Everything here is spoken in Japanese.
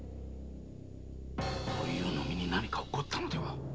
おゆうの身に何かおこったのでは？